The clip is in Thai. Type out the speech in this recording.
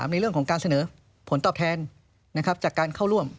ในเรื่องของการเสนอผลตอบแทนจากการเข้าร่วม